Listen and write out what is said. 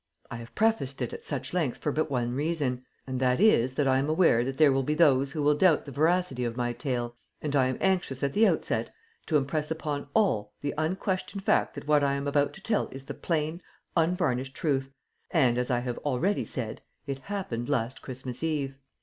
I have prefaced it at such length for but one reason, and that is that I am aware that there will be those who will doubt the veracity of my tale, and I am anxious at the outset to impress upon all the unquestioned fact that what I am about to tell is the plain, unvarnished truth, and, as I have already said, it happened last Christmas Eve.